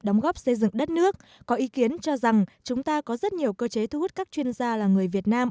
đóng góp xây dựng đất nước có ý kiến cho rằng chúng ta có rất nhiều cơ chế thu hút các chuyên gia là người việt nam